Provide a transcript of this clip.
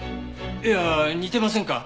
いや似てませんか？